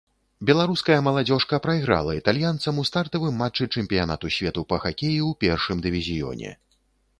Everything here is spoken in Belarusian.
Беларуская маладзёжка прайграла італьянцам у стартавым матчы чэмпіянату свету па хакеі ў першым дывізіёне.